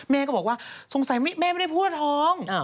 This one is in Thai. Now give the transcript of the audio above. แม่ก็บอกว่าสงสัยแม่ไม่ได้พูดว่าท้อง